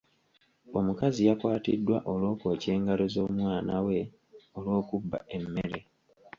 Omukazi yakwatiddwa olw'okwokya engalo z'omwana we olw'okubba emmere.